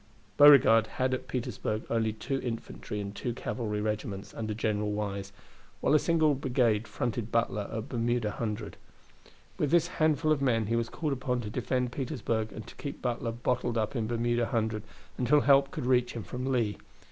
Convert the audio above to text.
Beauregard had at Petersburg only two infantry and two cavalry regiments under General Wise, while a single brigade fronted Butler at Bermuda Hundred. With this handful of men he was called upon to defend Petersburg and to keep Butler bottled up in Bermuda Hundred until help could reach him from Lee.